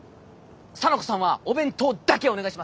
沙名子さんはお弁当だけお願いします！